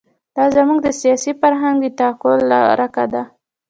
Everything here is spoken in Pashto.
دا زموږ د سیاسي فرهنګ د تعقل ورکه ده.